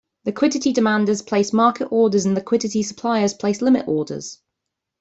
Liquidity demanders place market orders and liquidity suppliers place limit orders.